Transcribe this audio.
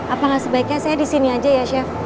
apakah sebaiknya saya di sini aja ya chef